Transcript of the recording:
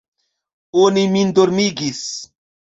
Oni min dormigis.